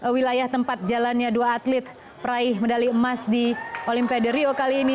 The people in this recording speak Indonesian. wilayah tempat jalannya dua atlet peraih medali emas di olimpiade rio kali ini